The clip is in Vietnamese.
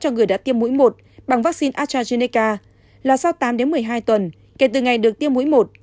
cho người đã tiêm mũi một bằng vaccine astrazeneca là sau tám một mươi hai tuần kể từ ngày được tiêm mũi một